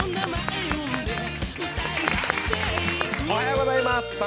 おはようございます。